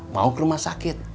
mau ke rumah sakit